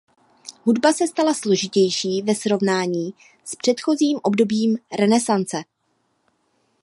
Hudba se stala složitější ve srovnání s předchozím období renesance.